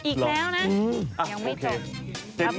อีกแล้วนะยังไม่จบ